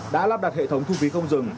đã lắp đặt hệ thống thu phí không dừng